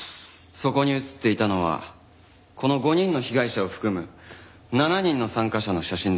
そこに映っていたのはこの５人の被害者を含む７人の参加者の写真です。